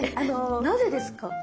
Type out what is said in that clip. なぜですか？